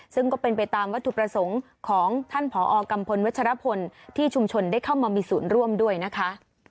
ซึ่งก็เป็นไปตามวัตถุประสงค์ของท่านผอกัมพลวัชรพลที่ชุมชนได้เข้ามามีศูนย์ร่วมด้วยนะคะ